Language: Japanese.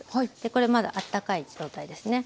これまだあったかい状態ですね。